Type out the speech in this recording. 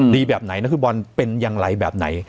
แบบไหนนักฟุตบอลเป็นอย่างไรแบบไหน